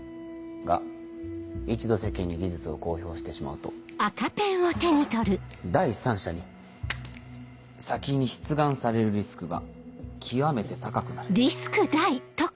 が一度世間に技術を公表してしまうと第三者に先に出願されるリスクが極めて高くなる。